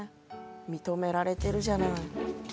認められてるじゃない。